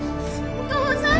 お父さん。